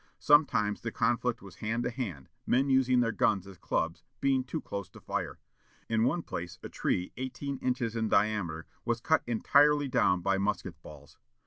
Sometimes the conflict was hand to hand, men using their guns as clubs, being too close to fire. In one place a tree, eighteen inches in diameter, was cut entirely down by musket balls.